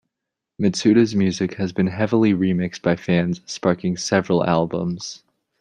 Mitsuda's music has been heavily remixed by fans, sparking several albums.